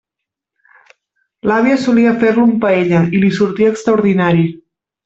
L'àvia solia fer-lo en paella i li sortia extraordinari.